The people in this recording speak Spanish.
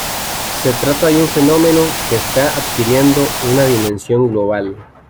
Se trata de un fenómeno que está adquiriendo una dimensión global.